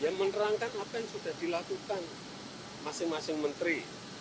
dia menerangkan apa yang sudah dilakukan masing masing menteri